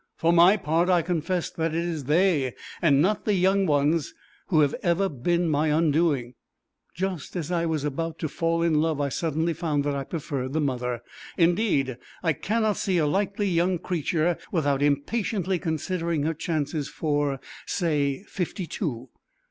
For my part, I confess that it is they, and not the young ones, who have ever been my undoing. Just as I was about to fall in love I suddenly found that I preferred the mother. Indeed, I cannot see a likely young creature without impatiently considering her chances for, say, fifty two.